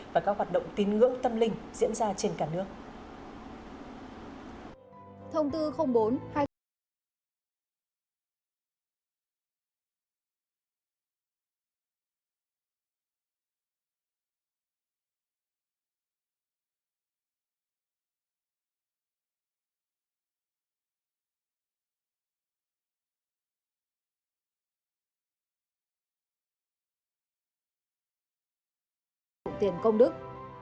và các hoạt động tín ngưỡng tâm linh diễn ra trên cả nước